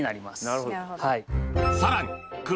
なるほど。